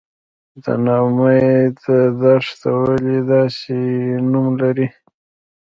د نا امید دښته ولې داسې نوم لري؟